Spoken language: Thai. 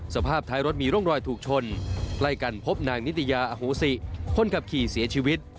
สภาพท้ายรถมีร่องรอยถูกชนใกล้กันพบนางนิตยาอโหสิคนขับขี่เสียชีวิต